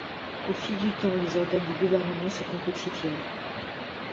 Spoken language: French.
Au fil du temps, les organes du gouvernement se complexifièrent.